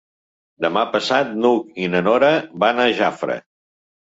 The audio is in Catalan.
Demà passat n'Hug i na Nora van a Jafre.